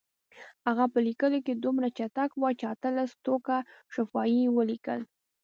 هغه په لیکلو کې دومره چټک و چې اتلس ټوکه شفا یې ولیکل.